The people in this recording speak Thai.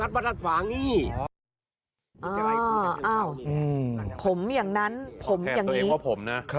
รัฐรัฐขวางนี่อ๋ออ้าวอืมผมอย่างนั้นผมอย่างนี้แค่ตัวเองว่าผมน่ะ